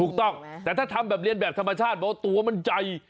ถูกต้องแต่ถ้าทำแบบเรียนแบบธรรมชาติบอกว่าตัวมันใหญ่